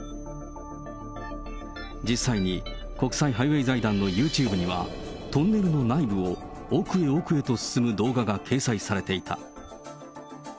実際に国際ハイウェイ財団のユーチューブには、トンネルの内部を奥へ奥へと進む動画が掲載されていた。